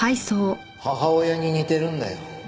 母親に似てるんだよ